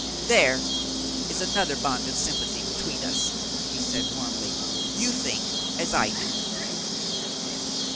"There is another bond of sympathy between us," he said warmly; "you think as I do."